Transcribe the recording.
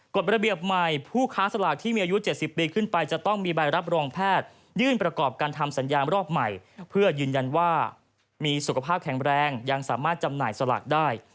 กฎระเบียบใหม่ผู้ค้าสลากที่มีอายุ๗๐ปีขึ้นไปจะต้องมีใบรับรองแพทยื่นประกอบการทำสัญญาณรอบใหม่เพื่อยืนยันว่ามีสุขภาพแข็งแรงยังสามารถจำหน่ายสลากได้